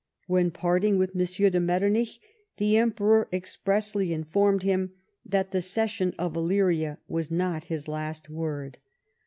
When parting with J\I. de Metternich, the Emperor expressly informed him that the cession of Illyria was not his last word.